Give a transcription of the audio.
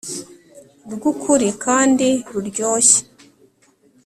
rwukuri kandi ruryoshye